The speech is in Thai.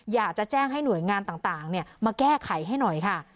อยากจะแจ้งให้หน่วยงานต่างมาแก้ไขให้หน่อยค่ะ